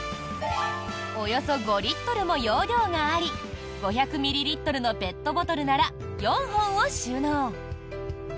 およそ５リットルも容量があり５００ミリリットルのペットボトルなら４本を収納。